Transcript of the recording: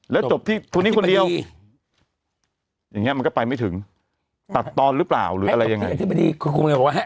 แล้วจบที่คุณนี้คนเดียวอธิบดีอย่างงี้มันก็ไปไม่ถึงตัดตอนรึเปล่าหรืออะไรยังไง